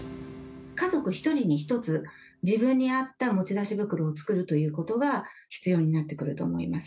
家族１人に１つ、自分に合った持ち出し袋を作るということが必要になってくると思います。